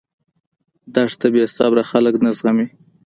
دښته بېصبره خلک نه زغمي.